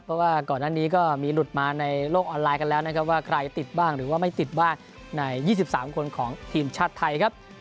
เพราะว่าก่อนหน้านี้ก็มีหลุดมาในโลกออนไลน์กันแล้วนะครับว่าใครติดบ้างหรือว่าไม่ติดบ้างใน๒๓คนของทีมชาติไทยครับ